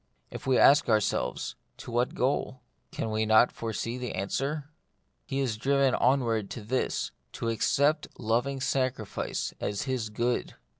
If we ask ourselves, To what goal? 66 The Mystery of Pain. can we not well foresee the answer? He is driven onward to this : to accept loving sacri fice as his good.